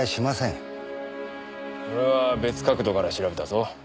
俺は別角度から調べたぞ。